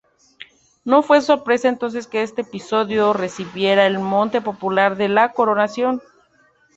No fue sorpresa entonces que este episodio recibiera el mote popular de la "coronación".